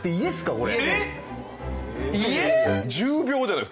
これ。